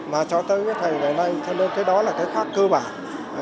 mà cho tới cái thời này cho nên cái đó là cái khác cơ bản